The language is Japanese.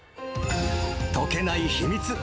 とけない秘密。